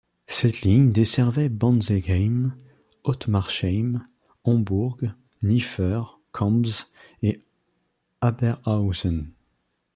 Cette ligne desservait Bantzenheim, Ottmarsheim, Hombourg, Niffer, Kembs et Haberhaeusen.